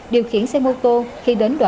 điều khiển xe mô tô